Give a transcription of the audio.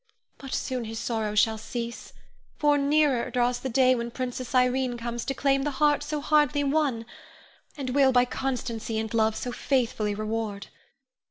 But soon his sorrow all shall cease, for nearer draws the day when Princess Irene comes to claim the heart so hardly won, and will by constancy and love so faithfully reward.